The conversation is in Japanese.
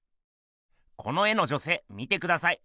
この絵の女せい見てください。